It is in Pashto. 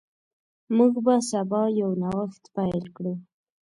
موږ به سبا یو نوښت پیل کړو.